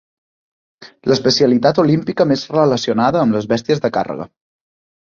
L'especialitat olímpica més relacionada amb les bèsties de càrrega.